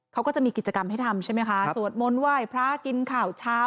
เขาก็จะมีกิจกรรมให้ทำใช่ไหมคะสวดมนต์ไหว้พระกินข่าวเช้า